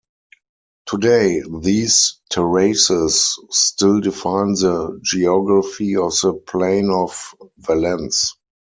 Today, these terraces still define the geography of the Plain of Valence.